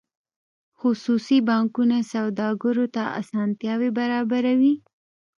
خصوصي بانکونه سوداګرو ته اسانتیاوې برابروي